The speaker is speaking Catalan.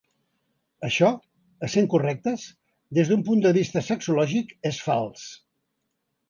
Això, essent correctes, des d’un punt de vista sexològic és fals.